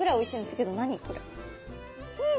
うん！